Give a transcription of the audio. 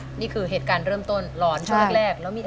อเรนนี่นี่คือเหตุการณ์เริ่มต้นหลอนช่วงแรกแล้วมีอะไรอีก